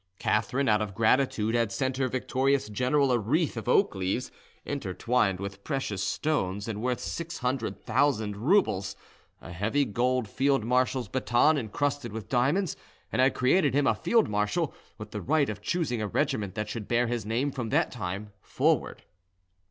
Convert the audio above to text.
Catherine, out of gratitude, had sent her victorious general a wreath of oak leaves, intertwined with precious stones, and worth six hundred thousand roubles, a heavy gold field marshal's baton encrusted with diamonds; and had created him a field marshal, with the right of choosing a regiment that should bear his name from that time forward.